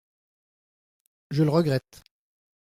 Je le regrette.